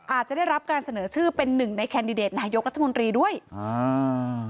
อาจจะได้รับการเสนอชื่อเป็นหนึ่งในแคนดิเดตนายกรัฐมนตรีด้วยอ่า